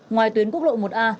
ngoài tuyến quốc lộ một a